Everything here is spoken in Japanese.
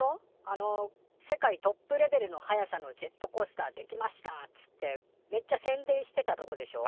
あの世界トップレベルの速さのジェットコースターできましたっつってめっちゃ宣伝してたとこでしょ。